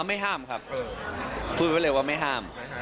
ไม่ห้ามครับพูดไว้เลยว่าไม่ห้าม